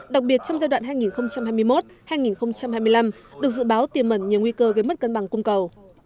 đặc biệt trong giai đoạn hai nghìn hai mươi một hai nghìn hai mươi năm được dự báo tiềm mẩn nhiều nguy cơ gây mất cân bằng cung cầu